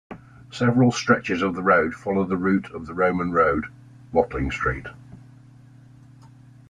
Several stretches of the road follow the route of the Roman Road: Watling Street.